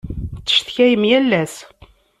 Tecetkayem yal ass.